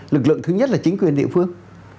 lực lượng thứ nhất là chính quyền địa phương